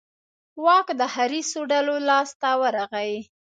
واک د حریصو ډلو لاس ته ورغی.